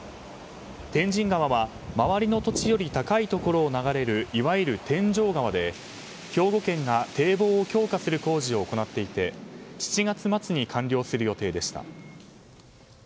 天神川は、周りの土地より高いところを流れるいわゆる天井川で、兵庫県が堤防を強化する工事を行っていて女性）